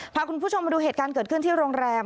พาคุณผู้ชมมาดูเหตุการณ์เกิดขึ้นที่โรงแรม